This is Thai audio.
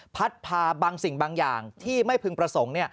พัดพาบางสิ่งบางอย่างที่ไม่พึงประสงค์